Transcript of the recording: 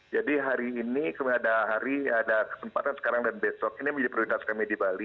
jadi hari ini ada hari ada kesempatan sekarang dan besok ini menjadi prioritas kami di bali